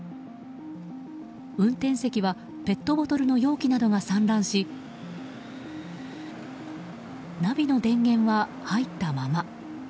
運転席はペットボトルの容器などが散乱しナビの電源は入ったまま。